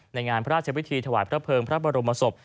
ในงานพระราชวิธีถวายพระเภิงพระบรมศพ